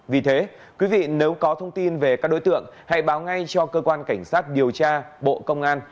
vì thế quý vị nếu có thông tin về các đối tượng hãy báo ngay cho cơ quan cảnh sát điều tra bộ công an